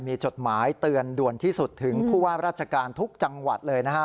มีจดหมายเตือนด่วนที่สุดถึงผู้ว่าราชการทุกจังหวัดเลยนะฮะ